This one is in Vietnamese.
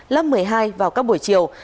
lớp một mươi hai vào các buổi chiều